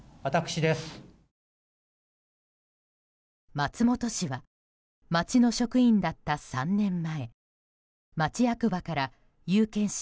松本氏は町の職員だった３年前町役場から有権者